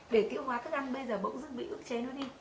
để tiêu hóa thức ăn bây giờ bỗng dứt bị ước chế nữa đi